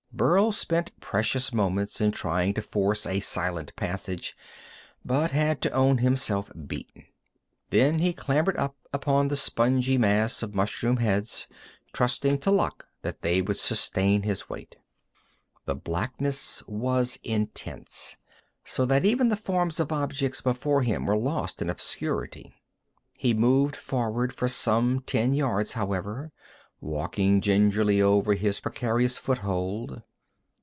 Burl spent precious moments in trying to force a silent passage, but had to own himself beaten. Then he clambered up upon the spongy mass of mushroom heads, trusting to luck that they would sustain his weight. The blackness was intense, so that even the forms of objects before him were lost in obscurity. He moved forward for some ten yards, however, walking gingerly over his precarious foothold.